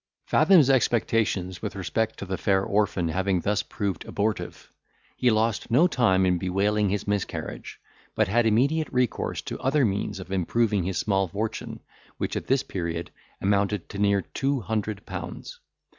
Fathom's expectations with respect to the fair orphan having thus proved abortive, he lost no time in bewailing his miscarriage, but had immediate recourse to other means of improving his small fortune, which, at this period, amounted to near two hundred pounds.